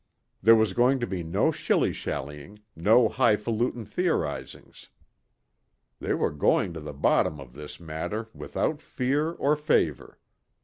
There was going to be no shilly shallying, no highfalutin theorizings. They were going to the bottom of this matter without fear or favor.